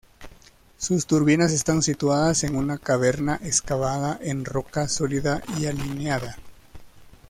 Sus turbinas están situadas en una caverna excavada en roca sólida y alineada.